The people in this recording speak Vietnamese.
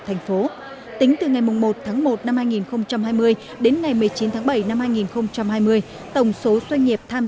thành phố tính từ ngày một tháng một năm hai nghìn hai mươi đến ngày một mươi chín tháng bảy năm hai nghìn hai mươi tổng số doanh nghiệp tham